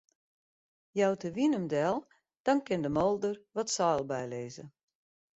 Jout de wyn him del, dan kin de moolder wat seil bylizze.